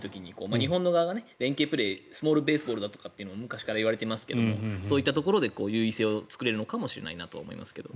日本の側が連係プレースモールベースボールだとか昔から言われていますがそういったところで優位性を作れるのかもしれないなと思いますが。